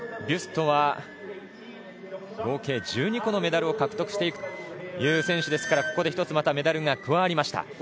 ビュストは合計１２個のメダルを獲得している選手ですからここで１つまたメダルが加わりました。